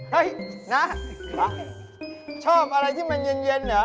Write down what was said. เฮ่ยหน้าชอบอะไรที่มันเย็นเหรออ่ะ